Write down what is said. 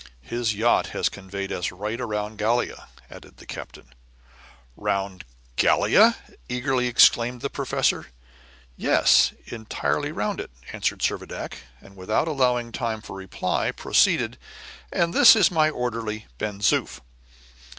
"His yacht has conveyed us right round Gallia," added the captain. "Round Gallia?" eagerly exclaimed the professor. "Yes, entirely round it," answered Servadac, and without allowing time for reply, proceeded, "And this is my orderly, Ben Zoof."